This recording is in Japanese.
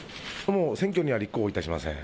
選挙には立候補いたしません。